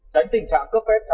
tránh tình trạng cấp phép thảm la